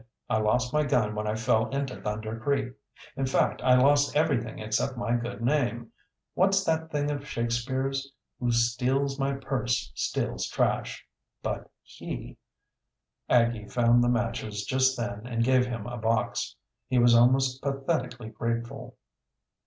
"I lost my gun when I fell into Thunder Creek; in fact, I lost everything except my good name. What's that thing of Shakespeare's: 'Who steals my purse steals trash, ... but he '" Aggie found the matches just then and gave him a box. He was almost pathetically grateful.